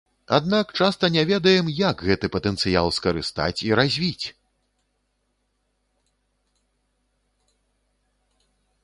Аднак часта не ведаем, як гэты патэнцыял скарыстаць і развіць!